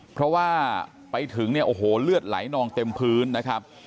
เพราะว่าไปถึงเนี่ยโอ้โหเลือดไหลนองเต็มพื้นนะครับ